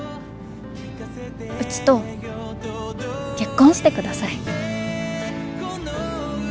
うちと結婚してください。